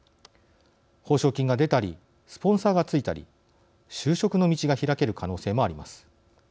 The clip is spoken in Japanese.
報奨金が出たりスポンサーがついたり就職の道が開ける可能性もあります。